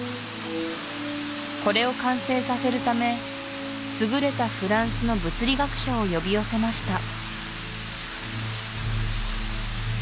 これを完成させるため優れたフランスの物理学者を呼び寄せました